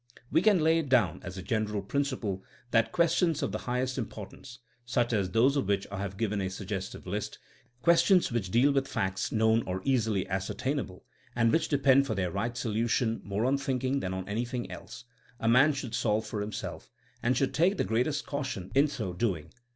We can lay it down as a general principle that questions of the highest importance, such as those of which I have given a suggestive list — questions which deal with facts known or easily ascertainable, and which depend for their right solution more on thinking than on anything else — a man should solve for himself, and should take the greatest caution in so doing.